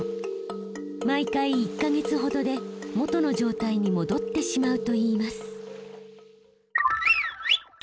毎回１か月ほどで元の状態に戻ってしまうといいます。